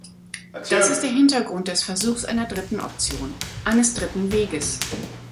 Das ist der Hintergrund des Versuchs einer dritten Option, eines dritten Weges.